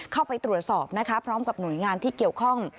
เข้าไปตรวจสอบนะคะพร้อมกับหน่วยงานที่เกี่ยวข้อง